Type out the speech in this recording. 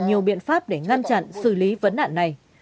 nhiều biện pháp để ngăn chặn xử lý vấn nạn này